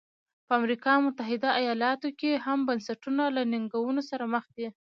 په امریکا متحده ایالتونو کې هم بنسټونه له ننګونو سره مخ وو.